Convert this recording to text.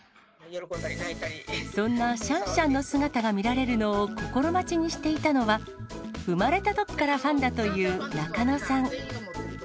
そんなシャンシャンの姿を見られるのを心待ちにしていたのは、生まれたときからファンだという中野さん。